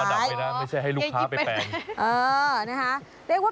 ต้องแขวนไว้อย่างเรียบร้อย